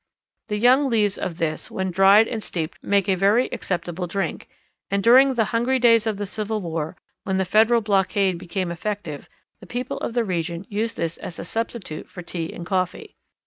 The young leaves of this when dried and steeped make a very acceptable drink, and during the hungry days of the Civil War when the Federal blockade became effective the people of the region used this as a substitute for tea and coffee.